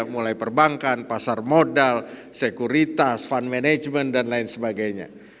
mulai perbankan pasar modal sekuritas fund management dan lain sebagainya